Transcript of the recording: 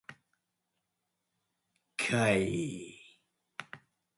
怪異